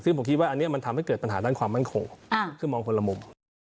ซึ่งผมคิดว่าอันนี้มันทำให้เกิดปัญหาด้านความมั่นคงคือมองคนละมุม